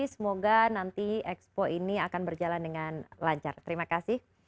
semoga nanti ekspo ini akan berjalan dengan lancar terima kasih